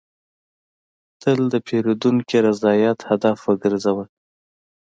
تل د پیرودونکي رضایت هدف وګرځوه.